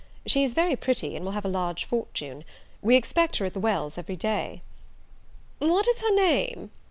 She is very pretty, and will have a large fortune. We expect her at the Wells every day." "What is her name?"